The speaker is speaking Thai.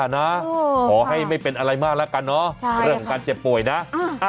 โอ้ค่ะโอ้ให้ไม่เป็นอะไรมากแล้วกันเนอะเรื่องการเจ็บป่วยนะใช่ค่ะ